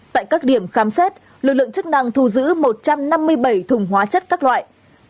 tại các điểm khám xét lực lượng chức năng thu giữ một trăm năm mươi bảy thùng hóa chất các loại